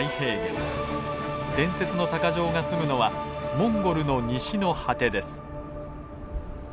伝説の鷹匠が住むのはモンゴルの西の果てです。